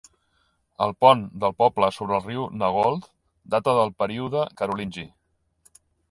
El pont del poble sobre el riu Nagold data del període carolingi.